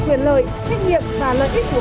quyền lợi thách nhiệm và lợi ích của